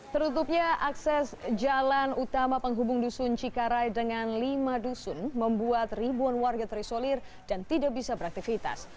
tertutupnya akses jalan utama penghubung dusun cikarai dengan lima dusun membuat ribuan warga terisolir dan tidak bisa beraktivitas